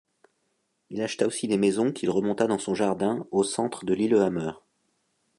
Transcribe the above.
Il acheta aussi des maisons qu’il remonta dans son jardin au centre de Lillehammer.